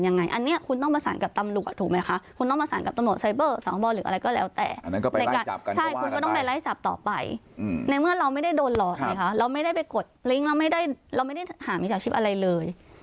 ในเมื่อเราไม่ได้โดนหลอดนะคะเราไม่ได้ไปกดลิงก์เราไม่ได้หามีจักรชีพอะไรเลย